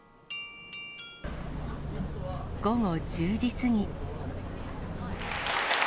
午後１０時過ぎ。